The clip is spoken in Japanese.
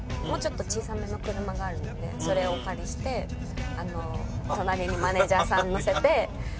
もうちょっと小さめの車があるんでそれお借りして隣にマネジャーさん乗せて。